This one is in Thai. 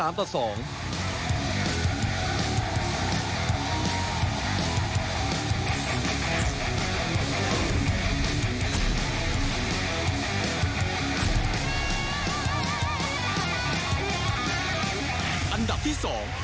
อันดับที่๒